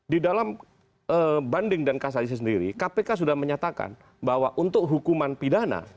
di dalam banding dan kasasi sendiri kpk sudah menyatakan bahwa untuk hukuman pidana